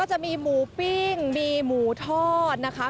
จะมีหมูปิ้งมีหมูทอดนะคะ